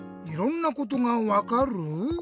いろんなことがわかる？